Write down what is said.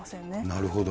なるほど。